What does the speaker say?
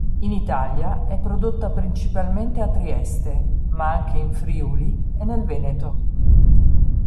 In Italia è prodotta principalmente a Trieste ma anche in Friuli e nel Veneto.